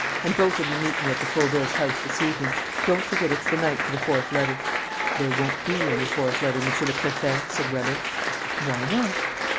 And both of you meet me at the Fauvilles' house this evening. Don't forget it's the night for the fourth letter." "There won't be any fourth letter, Monsieur le Préfet," said Weber. "Why not?"